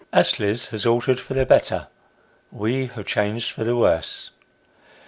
Astley's has altered for the better we have changed for the worse.